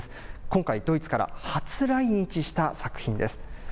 今回、ドイツから初来日した作品です。